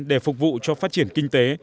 để phục vụ cho phát triển kinh tế